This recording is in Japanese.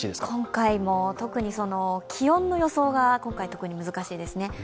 今回も気温の予想が特に難しいですね。